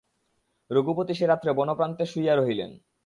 রঘুপতি সে রাত্রে বনপ্রান্তে শুইয়া রহিলেন।